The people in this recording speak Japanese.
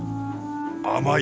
甘い！